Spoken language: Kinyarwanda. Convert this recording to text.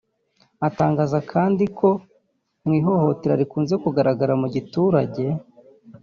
Atangaza kandi ko mu ihohotera rikunze kugaragara mu giturage